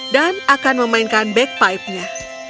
dan akan memainkan bagpipe nya